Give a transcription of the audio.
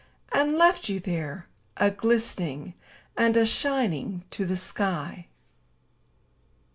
And left you there, a glistening and a shining to the sky